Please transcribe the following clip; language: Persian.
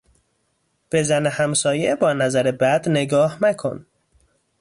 به زن همسایه با نظر بد نگاه مکن!